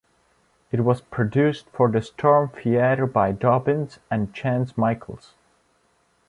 It was produced for the Storm Theatre by Dobbins and Chance Michaels.